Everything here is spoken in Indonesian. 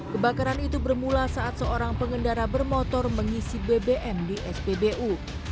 kebakaran itu bermula saat seorang pengendara bermotor mengisi bbm di spbu